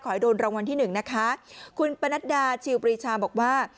ให้โดนรางวัลที่หนึ่งนะคะคุณปนัดดาชิวปรีชาบอกว่า